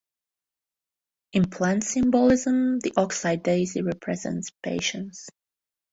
In plant symbolism, the ox-eye daisy represents patience.